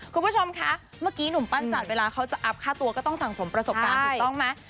คุณผู้ชมคะเมื่อกี้หนุ่มปั้นจัดเวลาเขาจะอัพค่าตัวก็ต้องสั่งสมประสบการณ์ถูกต้องไหม